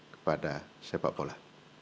kepada sepak bola